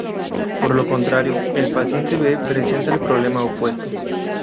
Por el contrario, el paciente B presenta el problema opuesto.